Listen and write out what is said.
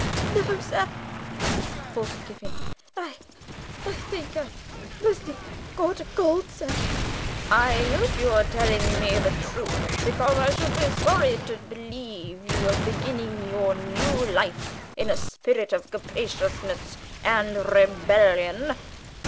"N no, sir," faltered Kiffin; "I I think I must have caught cold, sir." "I hope you are telling me the truth, because I should be sorry to believe you were beginning your new life in a spirit of captiousness and rebellion.